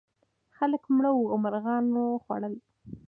خلک مړه وو او مرغانو خوړل.